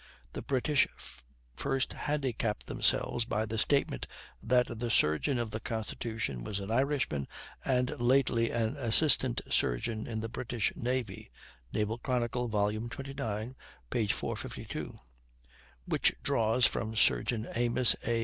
The British first handicap themselves by the statement that the surgeon of the Constitution was an Irishman and lately an assistant surgeon in the British navy ("Naval Chronicle," xxix, 452); which draws from Surgeon Amos A.